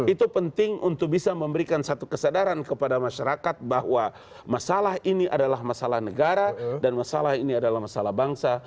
itu penting untuk bisa memberikan satu kesadaran kepada masyarakat bahwa masalah ini adalah masalah negara dan masalah ini adalah masalah bangsa